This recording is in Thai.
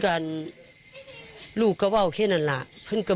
มาอยู่อุ่นไปเปรียวเรืองก็พอ๑๕๑๙